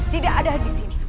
tidak ada di sini